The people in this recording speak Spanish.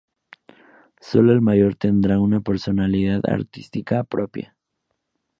Sólo el mayor tendrá una personalidad artística propia.